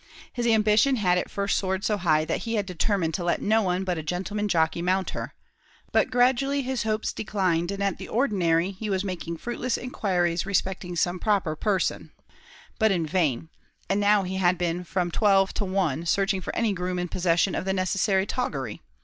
His ambition had at first soared so high that he had determined to let no one but a gentleman jockey mount her; but gradually his hopes declined, and at the ordinary he was making fruitless inquiries respecting some proper person; but in vain, and now he had been from twelve to one searching for any groom in possession of the necessary toggery.